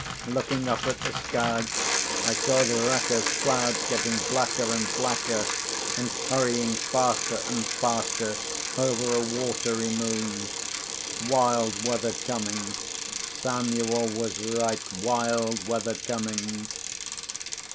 Looking up at the sky, I saw the rack of clouds getting blacker and blacker, and hurrying faster and faster over a watery moon. Wild weather coming—Samuel was right, wild weather coming.